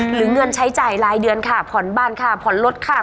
หรือเงินใช้จ่ายรายเดือนค่ะผ่อนบ้านค่ะผ่อนรถค่ะ